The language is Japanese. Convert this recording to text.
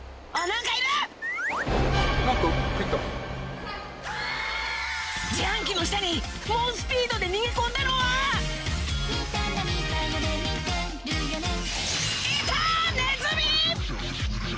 ・何か入った・自販機の下に猛スピードで逃げ込んだのは⁉ネズミ！